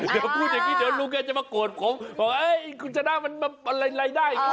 เดี๋ยวพูดอย่างนี้เดี๋ยวลุงแกจะมาโกรธผมเฮ้ยคุณชนะมันอะไรได้